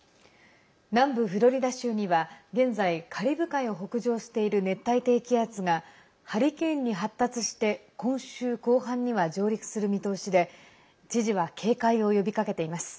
南部フロリダ州には現在、カリブ海を北上している熱帯低気圧がハリケーンに発達して今週後半には上陸する見通しで知事は警戒を呼びかけています。